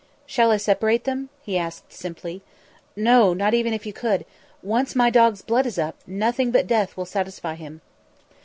"Shall I separate them?" he asked simply. "No! Not even if you could. Once my dog's blood is up, nothing but death will satisfy him."